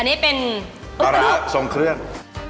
อันนี้เป็นปลาร้าทรงเครื่อง